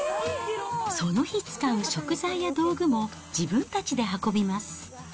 その日使う食材や道具も、自分たちで運びます。